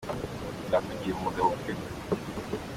Nzakugira umugabo pe!